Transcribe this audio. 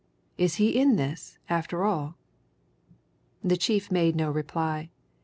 Is he in this, after all?" The chief made no reply.